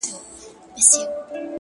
• صندان د محبت دي په هر واري مخته راسي؛